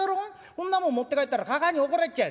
こんなもん持って帰ったらかかあに怒られちゃう」。